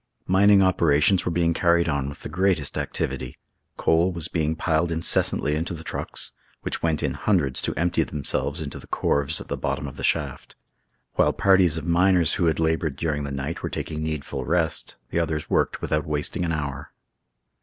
Mining operations were being carried on with the greatest activity; coal was being piled incessantly into the trucks, which went in hundreds to empty themselves into the corves at the bottom of the shaft. While parties of miners who had labored during the night were taking needful rest, the others worked without wasting an hour.